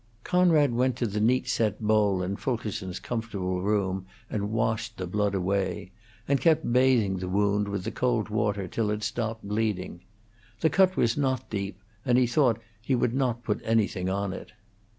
Conrad went to the neat set bowl in Fulkerson's comfortable room and washed the blood away, and kept bathing the wound with the cold water till it stopped bleeding. The cut was not deep, and he thought he would not put anything on it.